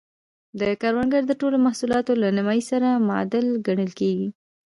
د کروندګرو د ټولو محصولاتو له نییمایي سره معادل ګڼل کېدل.